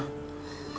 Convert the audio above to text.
ya udah pak